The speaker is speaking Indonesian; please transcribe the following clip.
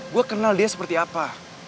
gue kenal dia seperti apa